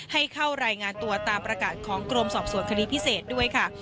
ให้เข้ารายงานตัวตามประกาศของกรมสอบส่วนคดีพิเศษด้วยค่ะ